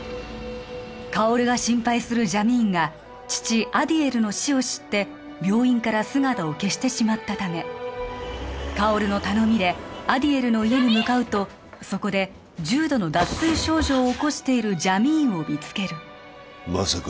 薫が心配するジャミーンが父アディエルの死を知って病院から姿を消してしまったため薫の頼みでアディエルの家に向かうとそこで重度の脱水症状を起こしているジャミーンを見つけるまさか